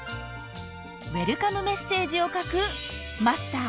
ウェルカムメッセージを書くマスター。